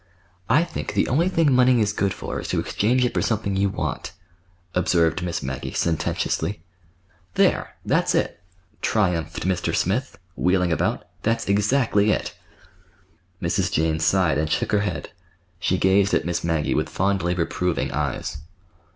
"I think the only thing money is good for is to exchange it for something you want," observed Miss Maggie sententiously. "There, that's it!" triumphed Mr. Smith, wheeling about. "That's exactly it!" Mrs. Jane sighed and shook her head. She gazed at Miss Maggie with fondly reproving eyes.